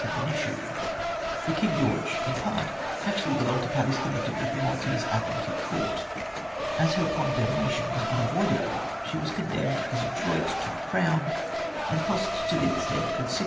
had been issued. The King George in part actually belonged to parties connected with the Maltese Admiralty Court. As her condemnation was unavoidable, she was condemned as a elroit to the Crown ; and costs to the extent of 600